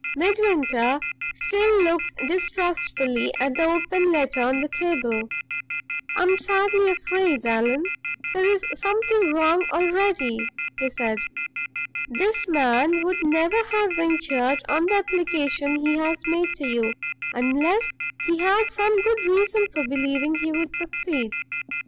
Midwinter still looked distrustfully at the open letter on the table. "I am sadly afraid, Allan, there is something wrong already," he said. "This man would never have ventured on the application he has made to you, unless he had some good reason for believing he would succeed.